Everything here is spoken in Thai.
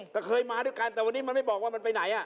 แต่เคยมาด้วยกันแต่วันนี้มันไม่บอกว่ามันไปไหน